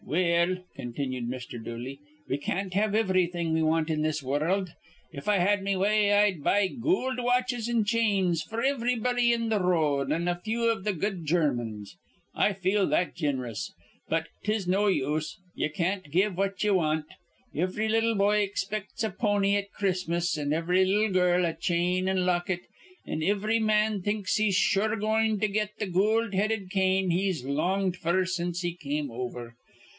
"Well," continued Mr. Dooley, "we can't have ivrything we want in this wurruld. If I had me way, I'd buy goold watches an' chains f'r ivrybody in th' r road, an' a few iv th' good Germans. I feel that gin'rous. But 'tis no use. Ye can't give what ye want. Ivry little boy ixpects a pony at Chris'mas, an' ivry little girl a chain an' locket; an' ivry man thinks he's sure goin' to get th' goold headed cane he's longed f'r since he come over.